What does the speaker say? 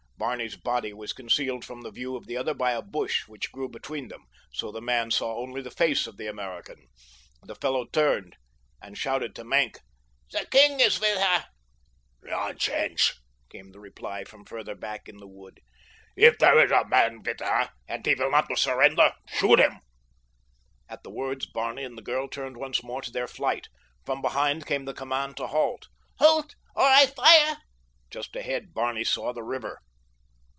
Barney's body was concealed from the view of the other by a bush which grew between them, so the man saw only the face of the American. The fellow turned and shouted to Maenck: "The king is with her." "Nonsense," came the reply from farther back in the wood. "If there is a man with her and he will not surrender, shoot him." At the words Barney and the girl turned once more to their flight. From behind came the command to halt—"Halt! or I fire." Just ahead Barney saw the river.